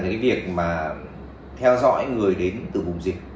cái việc mà theo dõi người đến từ vùng dịch